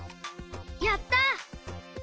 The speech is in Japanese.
やった！